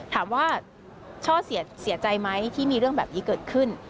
ถามว่าช่อเสียใจไหมที่มีเรื่องแบบนี้เกิดขึ้น